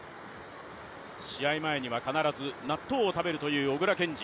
試合前には必ず納豆を食べるという小椋健司。